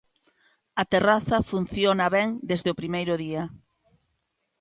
A terraza funciona ben desde o primeiro día.